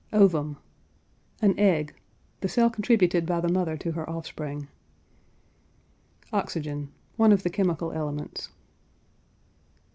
OVUM. An egg: the cell contributed by the mother to her offspring. OXYGEN. One of the chemical elements.